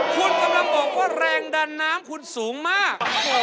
คุณกำลังบอกว่าแรงดันน้ำคุณสูงมาก